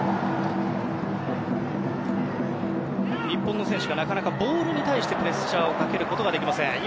日本の選手がなかなかボールに対してプレッシャーをかけることができません。